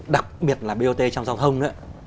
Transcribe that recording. đặc biệt là bot trong giao thông nữa